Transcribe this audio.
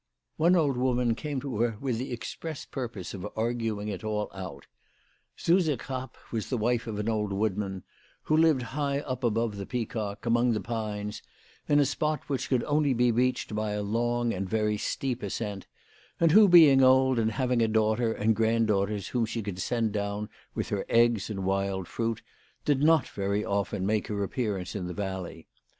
One old woman came to her with the express pur pose of arguing it all out. Suse Krapp was the wife of an old woodman who lived high up above the Peacock, among the pines, in a spot which could only be reached by a long and very steep ascent, and who being old, and having a daughter and granddaughters whom she could send down with her eggs and wild fruit, did not very often make her appearance in the valley.